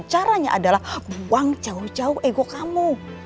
caranya adalah buang jauh jauh ego kamu